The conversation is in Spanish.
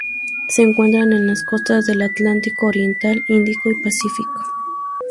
Se encuentra en las costas del Atlántico oriental, Índico y Pacífico.